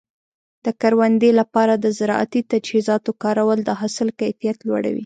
د کروندې لپاره د زراعتي تجهیزاتو کارول د حاصل کیفیت لوړوي.